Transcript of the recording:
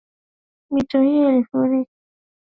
Mito hiyo yote ina vyanzo vyake katika milima mikubwa